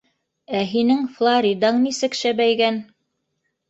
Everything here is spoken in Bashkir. Ә һинең Флоридаң нисек шәбәйгән!